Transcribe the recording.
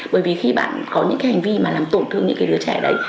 bởi vì khi bạn có những cái hành vi mà làm tổn thương những cái đứa trẻ đấy